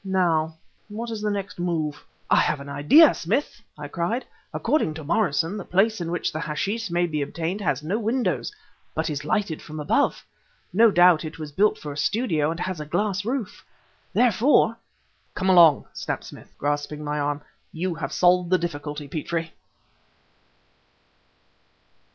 Now what is the next move?" "I have an idea, Smith!" I cried. "According to Morrison, the place in which the hashish may be obtained has no windows but is lighted from above. No doubt it was built for a studio and has a glass roof. Therefore " "Come along!" snapped Smith, grasping my arm; "you have solved the difficulty, Petrie."